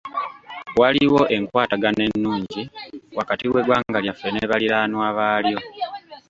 Waliwo enkwatagana ennungi wakati w'eggwanga lyaffe ne baliraanwa baalyo.